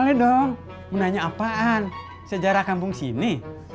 boleh dong mau nanya apaan sejarah kampung sini